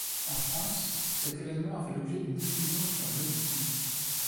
En France, cet évènement a fait l'objet d'une diffusion sur Multivision.